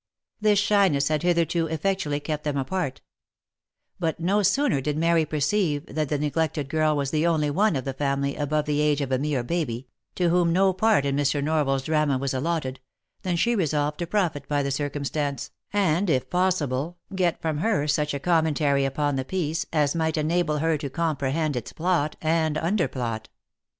This shyness had hitherto effectually kept them apart ; but no sooner did Mary per ceive that the neglected girl was the only one of the family, above the age of a mere baby, to whom no part in Mr. Norval's drama was allotted, than she resolved to profit by the circumstance, and, if pos sible, get from her such a commentary upon the piece, as might enable her to comprehend its plot and underplot.